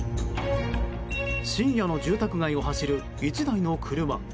深夜の住宅街を走る１台の車。